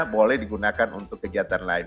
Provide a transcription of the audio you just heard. boleh digunakan untuk kegiatan lain